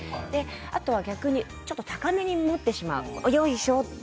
あとは逆に高めに持ってしまうよいしょって。